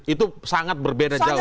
itu sangat berbeda jauh